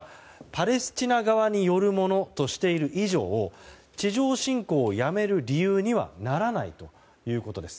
イスラエル側にとって今回の爆発はパレスチナ側によるものとしている以上地上侵攻をやめる理由にはならないということです。